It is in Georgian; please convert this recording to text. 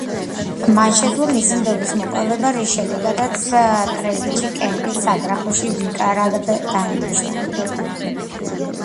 მან შეძლო მისი ნდობის მოპოვება, რის შედეგადაც ტრებიჩი კენტის საგრაფოში ვიკარად დანიშნა.